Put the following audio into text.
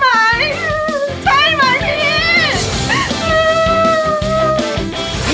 ใช่ไหมพี่